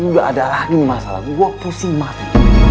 gak ada lagi masalah gua pusing mati